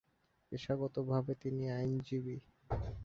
পেশাগতভাবে তিনি আইনজীবী।